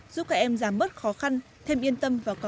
giúp các em giảm bớt khó khăn thêm yên tâm vào các em